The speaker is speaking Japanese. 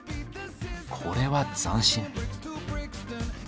これは斬新。